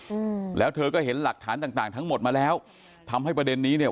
อืมแล้วเธอก็เห็นหลักฐานต่างต่างทั้งหมดมาแล้วทำให้ประเด็นนี้เนี่ย